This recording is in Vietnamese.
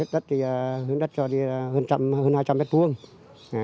điên đất cho đi hơn hai trăm linh m hai